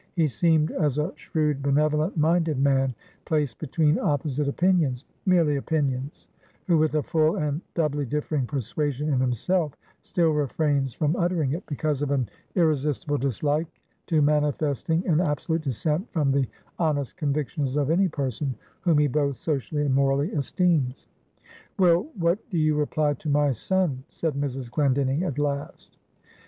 He seemed as a shrewd, benevolent minded man, placed between opposite opinions merely opinions who, with a full, and doubly differing persuasion in himself, still refrains from uttering it, because of an irresistible dislike to manifesting an absolute dissent from the honest convictions of any person, whom he both socially and morally esteems. "Well, what do you reply to my son?" said Mrs. Glendinning at last.